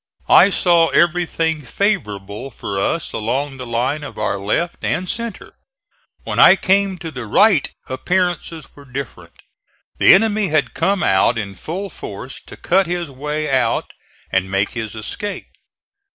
I saw everything favorable for us along the line of our left and centre. When I came to the right appearances were different. The enemy had come out in full force to cut his way out and make his escape.